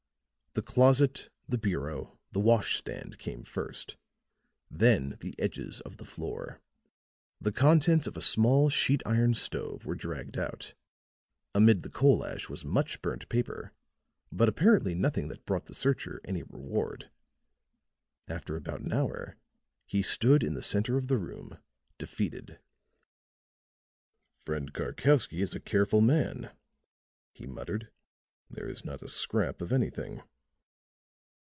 The closet, the bureau, the wash stand came first; then the edges of the floor. The contents of a small sheet iron stove were dragged out; amid the coal ash was much burnt paper, but apparently nothing that brought the searcher any reward. After about an hour, he stood in the center of the room, defeated. "Friend Karkowsky is a careful man," he muttered. "There is not a scrap of anything."